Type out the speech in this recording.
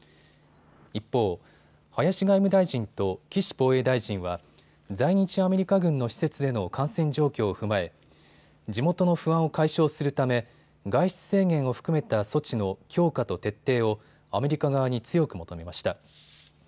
一方、林外務大臣と岸防衛大臣は在日アメリカ軍の施設での感染状況を踏まえ地元の不安を解消するため外出制限を含めた措置の強化と徹底をアメリカ側に強く求めました。